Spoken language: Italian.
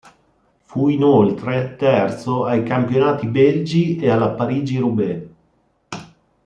Fu inoltre terzo ai Campionati belgi e alla Parigi-Roubaix.